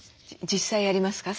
実際ありますか？